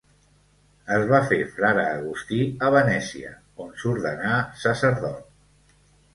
Es va fer frare agustí a Venècia, on s'ordenà sacerdot.